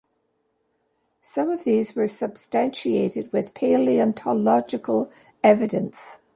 Some of these were substantiated with paleontological evidence.